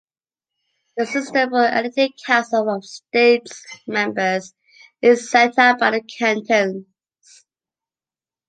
The system for electing the Council of States members is set out by the cantons.